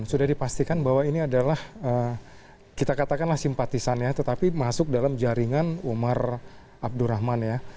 sudah dipastikan bahwa ini adalah kita katakanlah simpatisannya tetapi masuk dalam jaringan umar abdurrahman ya